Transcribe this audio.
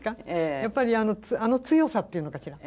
やっぱりあの強さっていうのかしら